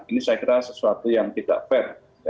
ini saya kira sesuatu yang tidak fair